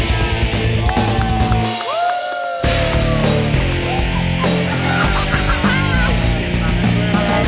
sumpah jeringetan lawan lu